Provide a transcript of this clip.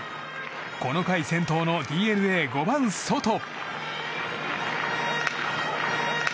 この回先頭のＤｅＮＡ番ソト。